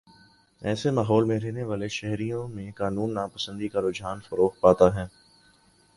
ایسے ماحول میں رہنے والے شہریوں میں قانون ناپسندی کا رجحان فروغ پاتا ہے